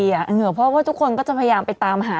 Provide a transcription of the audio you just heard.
ใครอ่ะเหนื่อพ่อว่าทุกคนก็จะพยายามไปตามหา